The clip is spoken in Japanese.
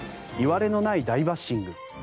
いわれのない大バッシング。